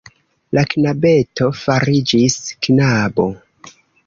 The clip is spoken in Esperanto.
La knabeto fariĝis knabo...